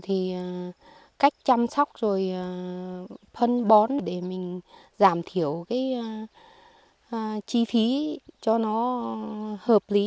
thì cách chăm sóc rồi phân bón để mình giảm thiểu cái chi phí cho nó hợp lý